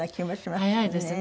早いですね。